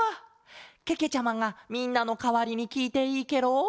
けけちゃまがみんなのかわりにきいていいケロ？